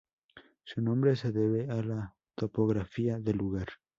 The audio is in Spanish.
Su nombre se debe a la topografía del lugar.